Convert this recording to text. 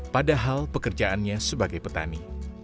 padahal pekerjaannya sebagai petani